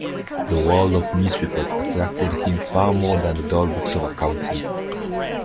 The world of newspapers attracted him far more than the dull books of accounting.